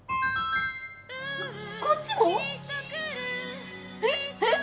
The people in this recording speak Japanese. こっちも⁉えっ？えっ？